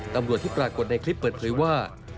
ตำรวจที่ปรากฏในคลิปเปิดเผยว่า